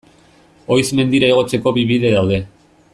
Oiz mendira igotzeko bi bide daude.